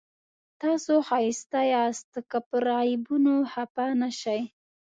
تاسو ښایسته یاست که پر عیبونو خفه نه شئ.